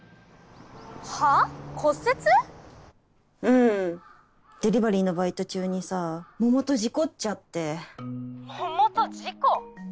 うんデリバリーのバイト中にさ桃と事故っちゃって桃と事故？